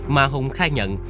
mà hùng khai nhận